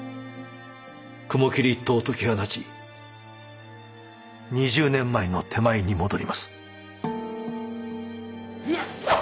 雲霧一党を解き放ち２０年前の手前に戻ります。